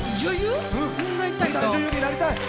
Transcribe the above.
女優になりたいと。